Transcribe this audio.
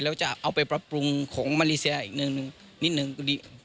ไทยจะเอาไปปรับปรุงของมารีเซียอีกนิดหนึ่งก็ดี